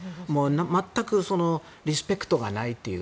全くリスペクトがないという。